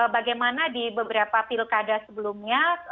bagaimana di beberapa pilkada sebelumnya